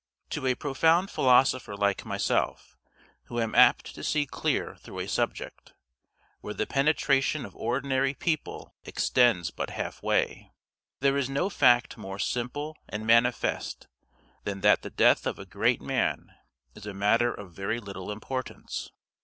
To a profound philosopher like myself, who am apt to see clear through a subject, where the penetration of ordinary people extends but half way, there is no fact more simple and manifest than that the death of a great man is a matter of very little importance.